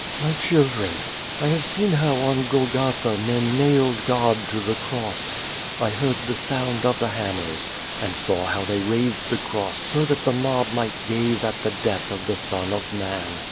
"My children, I have seen how on Golgotha men nailed God to the cross, I heard the sound of the hammers, and saw how they raised the cross so that the mob might gaze at the death of the Son of Man.